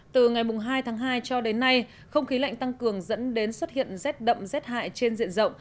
từ ngày hai tháng hai cho đến nay không khí lạnh tăng cường dẫn đến xuất hiện rét đậm rét hại trên diện rộng